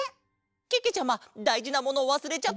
けけちゃまだいじなものをわすれちゃったケロ！